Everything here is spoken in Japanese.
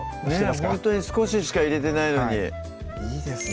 ほんとに少ししか入れてないのにいいですね